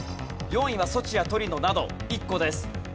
４位はソチやトリノなど１個です。